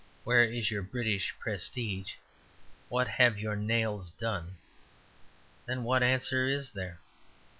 Where is your British prestige? What have your nails done?" then what answer is there?